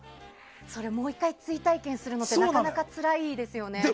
それをもう１回追体験するのってなかなかつらいですね。